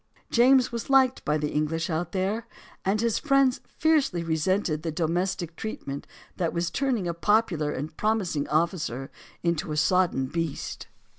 James was liked by the English out there, and his friends fiercely resented the domestic treatment that was turning a popular and promising officer into a sodden beast.